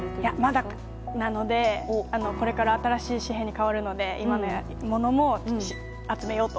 まだなのでこれから新しい紙幣に代わるので今のものも集めようと。